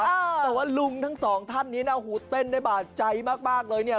แต่ว่าลุงทั้งสองท่านนี้นะหูเต้นได้บาดใจมากเลยเนี่ย